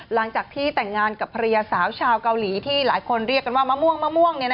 หลังจากที่แต่งงานกับภรรยาสาวชาวเกาหลีที่หลายคนเรียกกันว่ามะม่วงมะม่วง